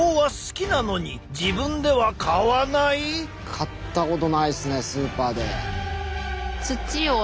買ったことないっすねスーパーで。